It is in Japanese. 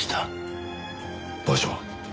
場所は？